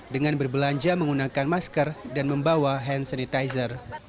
dengan berbelanja menggunakan masker dan membawa hand sanitizer